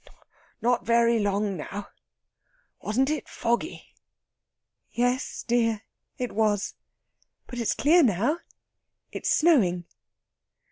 Not very long now. Wasn't it foggy?" "Yes, dear; it was. But it's clear now. It's snowing."